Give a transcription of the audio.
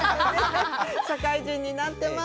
社会人になってます。